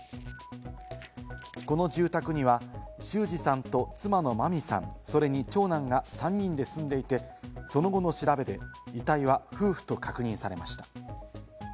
この住宅には修二さんと妻の真美さん、それに長男が３人で住んでいて、その後の調べで、遺体は夫婦と確認されました。